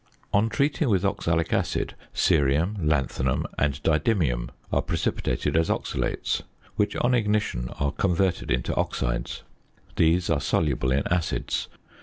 On treating with oxalic acid, cerium, lanthanum, and didymium are precipitated as oxalates, which on ignition are converted into oxides. These are soluble in acids.